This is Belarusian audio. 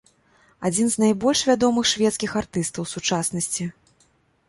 Адзін з найбольш вядомых шведскіх артыстаў сучаснасці.